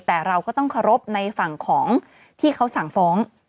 แต่เราก็ต้องเคารพในฝั่งของที่เขาสั่งฟ้อง